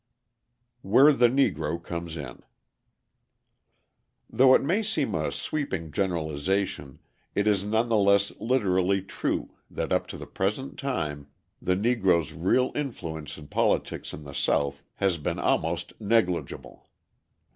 Where the Negro Comes In Though it may seem a sweeping generalisation, it is none the less literally true that up to the present time the Negro's real influence in politics in the South has been almost negligible.